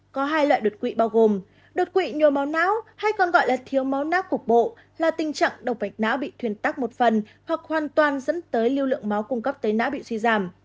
có hai loại đột quỵ bao gồm đột quỵ nhồi máu não hay còn gọi là thiếu máu não cục bộ là tình trạng độc vạch não bị thuyền tắc một phần hoặc hoàn toàn dẫn tới lưu lượng máu cung cấp tới não bị suy giảm